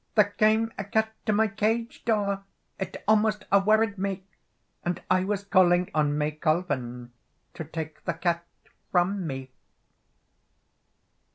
"There came a cat to my cage door, It almost a worried me, And I was calling on May Colven To take the cat from me."